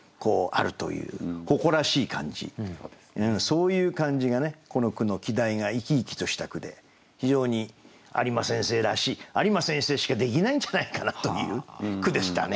そういう感じがこの句の季題が生き生きとした句で非常に有馬先生らしい有馬先生しかできないんじゃないかなという句でしたね。